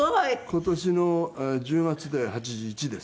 今年の１０月で８１です。